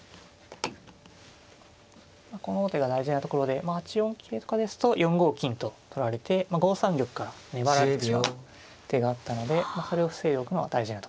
この王手が大事なところで８四桂とかですと４五金と取られて５三玉から粘られてしまう手があったのでそれを防いでおくのは大事なところですね。